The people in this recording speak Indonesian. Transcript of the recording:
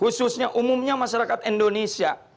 khususnya umumnya masyarakat indonesia